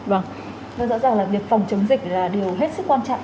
rõ ràng là việc phòng chống dịch là điều hết sức quan trọng